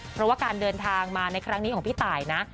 เพราะว่าการเดินทางมาในครั้งนี้ของพี่ตายนะ